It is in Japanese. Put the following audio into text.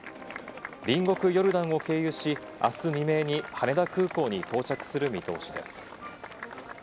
隣国ヨルダンを経由し、あす未明に羽田空港に到着する見通しです。